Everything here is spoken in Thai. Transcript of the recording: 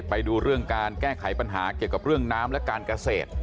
ไปดูเรื่องการแก้ไขปัญหาเกี่ยวกับเรื่องน้ำและการเกษตร